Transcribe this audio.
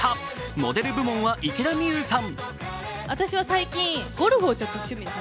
モデル部門は、池田美優さん。